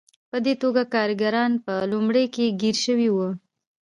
په دې توګه کارګران په لومه کې ګیر شوي وو.